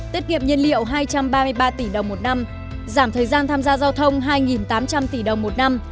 tiết kiệm nhiên liệu hai trăm ba mươi ba tỷ đồng một năm giảm thời gian tham gia giao thông hai tám trăm linh tỷ đồng một năm